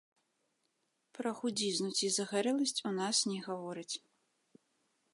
Пра худзізну, ці загарэласць у нас не гавораць.